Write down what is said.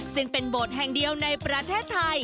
ซึ่งเป็นโบสถ์แห่งเดียวในประเทศไทย